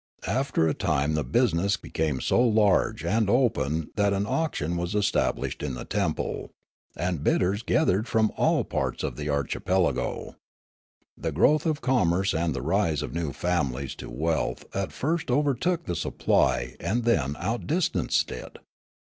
After a time the business became so large and open that an auction was established in the temple ; and bidders gathered from all parts of the archipelago. The growth of commerce and the rise of new families to wealth at first overtook the supply and then out distanced it.